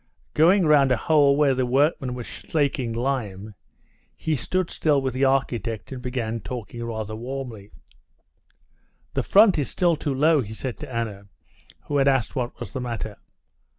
Going round a hole where the workmen were slaking lime, he stood still with the architect and began talking rather warmly. "The front is still too low," he said to Anna, who had asked what was the matter.